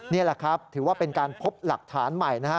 นี่แหละครับถือว่าเป็นการพบหลักฐานใหม่นะฮะ